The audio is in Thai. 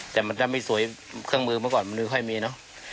แต่มันถ้าไม่สวยเครื่องมือเมื่อก่อนมันไม่ค่อยมีเนอะ